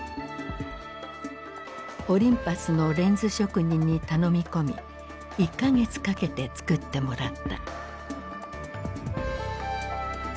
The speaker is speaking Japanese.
オリンパスのレンズ職人に頼み込み１か月かけてつくってもらった。